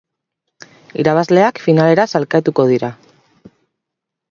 Irabazleak finalera sailkatuko dira.